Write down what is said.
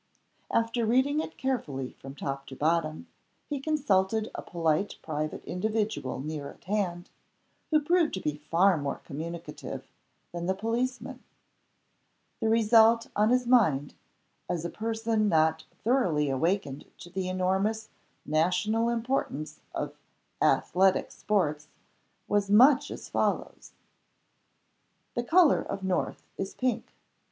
After reading it carefully, from top to bottom, he consulted a polite private individual near at hand, who proved to be far more communicative than the policeman. The result on his mind, as a person not thoroughly awakened to the enormous national importance of Athletic Sports, was much as follows: The color of North is pink.